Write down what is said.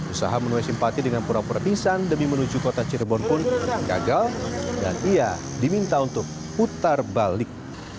usaha menuhi simpati dengan pura pura pisan demi menuju kota cirebon pun gagal dan ia diminta untuk putar balik